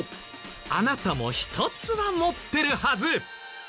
あなたも１つは持ってるはず。